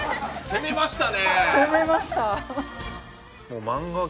攻めました。